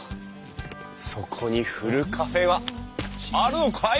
そこにふるカフェはあるのかい？